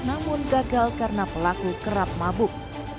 namun gagal karena pelaku kerap mabuk